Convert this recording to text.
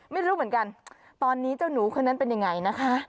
ไม่รู้เหมือนกันตอนนี้เจ้าหนูคนนั้นเป็นยังไงนะคะ